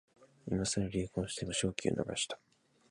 今さら流行しても商機を逃した